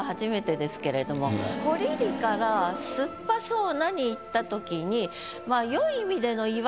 「こりり」から「すっぱそうな」にいった時に。